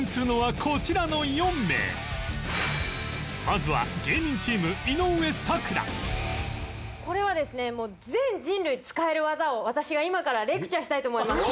まずは芸人チームこれはですね全人類使える技を私が今からレクチャーしたいと思います！